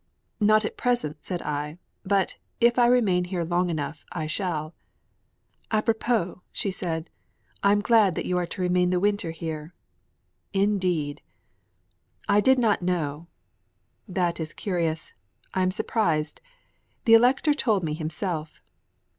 "Not at present," said I; "but, if I remain here long enough, I shall" "A propos," she said, "I am glad that you are to remain the winter here." "Indeed! I did not know" "That is curious. I am surprised. The Elector told me himself."